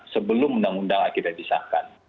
sebelum undang undang akhirnya disahkan